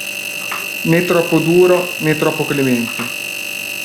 Né troppo duro, né troppo clemente.